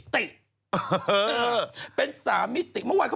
มันจะตรงดังมาดูชุดก่อน